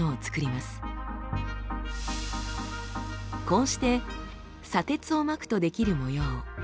こうして砂鉄をまくと出来る模様